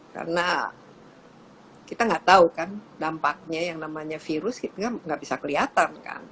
karena kita nggak tahu kan dampaknya yang namanya virus kita nggak bisa kelihatan kan